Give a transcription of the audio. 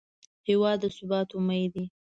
هېواد د ثبات امید دی.